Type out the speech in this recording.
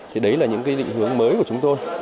thì đấy là những cái định hướng mới của chúng tôi